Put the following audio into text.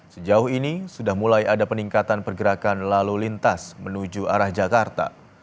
sejauh ini sudah mulai ada peningkatan pergerakan lalu lintas menuju arah jakarta